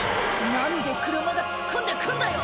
何で車が突っ込んでくんだよ！」